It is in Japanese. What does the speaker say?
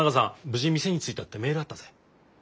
無事店に着いたってメールあったぜ。